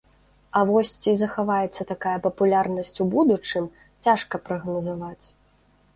А вось ці захаваецца такая папулярнасць у будучым, цяжка прагназаваць.